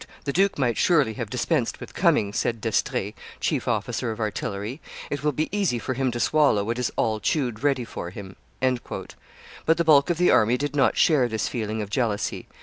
"The duke might surely have dispensed with coming," said D'Estrees, chief officer of artillery; "it will be easy for him to swallow what is all chewed ready for him." But the bulk of the army did not share this feeling of jealousy.